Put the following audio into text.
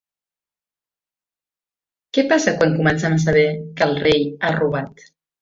Què passa quan comencem a saber que el rei ha robat?